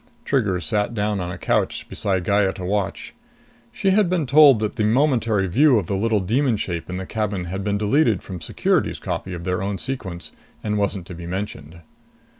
Trigger sat down on a couch beside Gaya to watch. She'd been told that the momentary view of the little demon shape in the cabin had been deleted from Security's copy of their own sequence and wasn't to be mentioned.